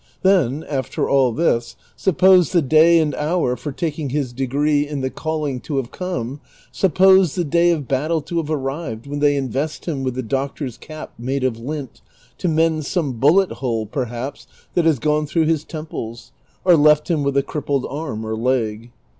Then, after all this, suppose the day and hour for taking his degree in his calling to have come ; suppose the day of battle to have ar rived, when they invest him with the doctor's cap made of lint, to mend some bullet hole, perhaps, that has gone through his temples, or left him with a crippled arm or leg.